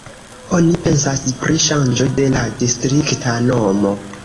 Oni pensas pri ŝanĝo de la distrikta nomo.